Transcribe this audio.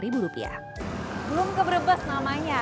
belum ke brebes namanya